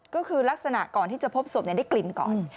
ก็คือลักษณะก่อนที่จะพบศพได้กลิ่นก่อน